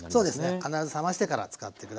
必ず冷ましてから使って下さい。